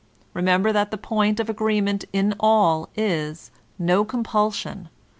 Re member that the point of agreement in all is: no com pulsion.